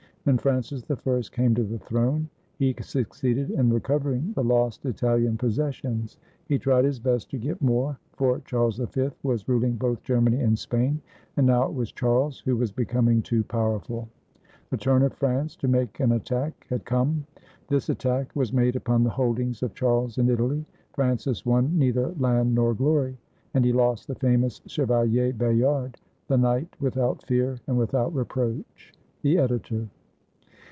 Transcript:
When Francis I came to the throne, he succeeded in recov ering the lost Italian possessions. He tried his best to get more, for Charles V was ruling both Germany and Spain; and now it was Charles who was becoming too powerful. The turn of France to make an attack had come. This attack was made upon the holdings of Charles in Italy. Francis won neither land nor glory; and he lost the famous Chevalier Bayard, the knight "without fear and without reproach." The Editor.